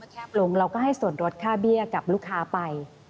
ลงเราก็ให้ส่วนลดค่าเบี้ยกับลูกค้าไป